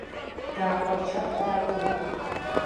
Иаахәарчарт арадио.